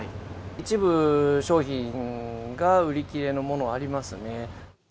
一部商品が売り切れのものありますね。